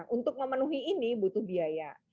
untuk memenuhi ini butuh biaya